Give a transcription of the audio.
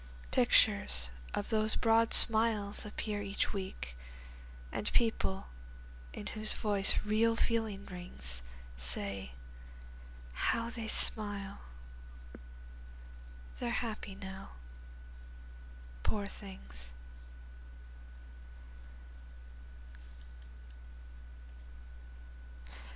Pictures of these broad smiles appear each week, And people in whose voice real feeling rings Say: How they smile! They're happy now, poor things.